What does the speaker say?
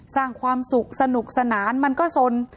สร้างความสุขสนุกสนานมันก็สน